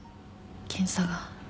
検査が。